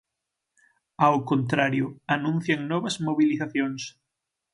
Ao contrario, anuncian novas mobilizacións.